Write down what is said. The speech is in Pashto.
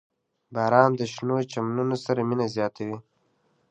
• باران د شنو چمنونو سره مینه زیاتوي.